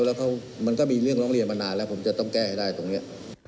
แล้วมันก็มีเรื่องร้องเรียนมานานแล้วผมจะต้องแก้ให้ได้ตรงนี้